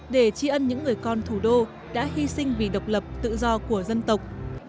và tỉnh con thủ đô đã hy sinh vì độc lập tự do của dân tộc